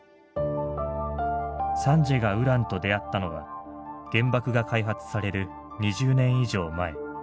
サンジエがウランと出会ったのは原爆が開発される２０年以上前。